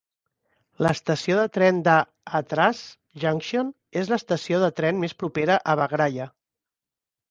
L'estació de tren d'Hathras Junction és l'estació de tren més propera a Baghraya.